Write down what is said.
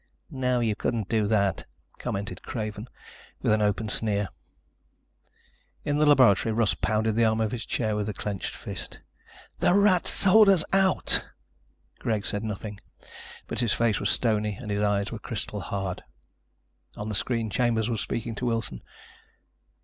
"No, you couldn't do that," commented Craven with an open sneer. In the laboratory Russ pounded the arm of his chair with a clenched fist. "The rat sold us out!" Greg said nothing, but his face was stony and his eyes were crystal hard. On the screen Chambers was speaking to Wilson.